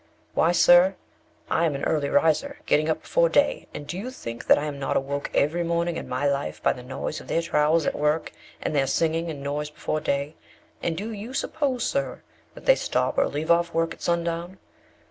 Why, sir, I am an early riser, getting up before day; and do you think that I am not awoke every morning in my life by the noise of their trowels at work, and their singing and noise before day; and do you suppose, sir, that they stop or leave off work at sundown?